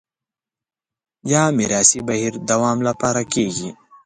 یا میراثي بهیر دوام لپاره کېږي